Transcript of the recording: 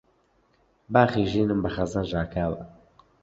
باخی ژینم بە خەزان ژاکاوە